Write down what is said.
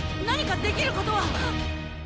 何かできることは！